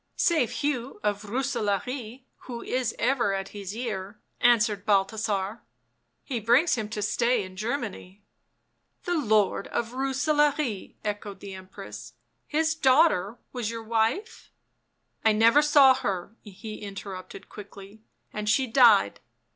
" Save Hugh of Rooselaare, who is ever at his ear," answered Balthasar. " He brings him to stay in Germany." " The Lord of Rooselaare !" echoed the Empress. " His daughter was your wife ?"" I never saw her," he interrupted quickly. " And she died.